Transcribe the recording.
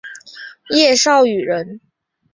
叶绍颙人。